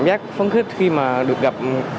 cảm giác phấn khích khi mà em có thể gặp bạn bè trực tuyến